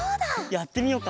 やってみようか。